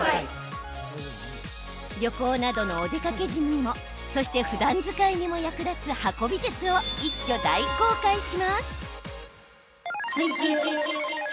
旅行などのお出かけ時にもそして、ふだん使いにも役立つ運び術を一挙大公開します。